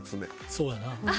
そうやなあ。